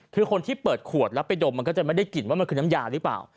คือคนที่เปิดขวดแล้วไปดมมันก็จะไม่ได้กลิ่นว่ามันคือน้ำยาหรือเปล่า